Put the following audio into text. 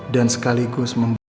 dan sekaligus memberitahu